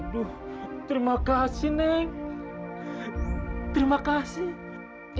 aduh terima kasih nen terima kasih